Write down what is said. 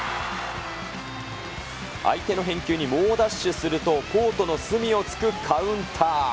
相手の返球に猛ダッシュすると、コートの隅をつくカウンター。